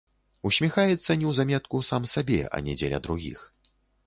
Усміхаецца неўзаметку, сам сабе, а не дзеля другіх.